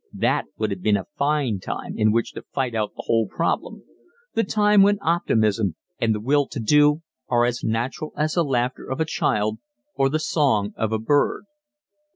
That would have been a fine time in which to fight out the whole problem the time when optimism and the will to do are as natural as the laughter of a child, or the song of a bird.